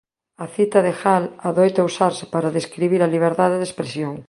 A cita de Hall adoita usarse para describir a liberdade de expresión.